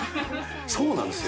そうなんですよ。